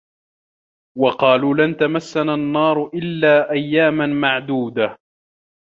وَقَالُوا لَنْ تَمَسَّنَا النَّارُ إِلَّا أَيَّامًا مَعْدُودَةً ۚ